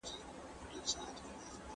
زه به سبا سیر وکړم!